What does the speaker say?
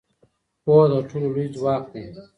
پوهه تر ټولو لوی ځواک دی.